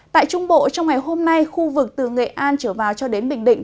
tại trung bộ trong ngày hôm nay khu vực từ nghệ an trở vào cho đến bình định